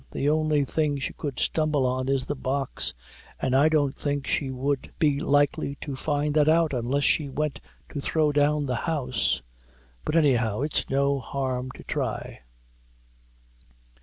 The only thing she could stumble on is the Box, an' I don't think she would be likely to find that out, unless she went to throw down the house; but, anyhow, it's no harm to thry."